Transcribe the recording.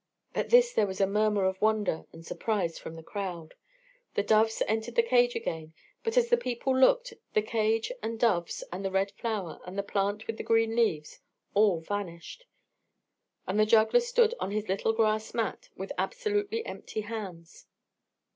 At this there was a murmur of wonder and surprise from the crowd. The doves entered the cage again; but, as the people looked, the cage and doves and the red flower and the plant with the green leaves all vanished; and the juggler stood on his little grass mat with absolutely empty hands.